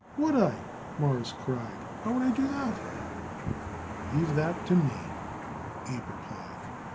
"Would I?" Morris cried. "How would I do that?" "Leave that to me," Abe replied.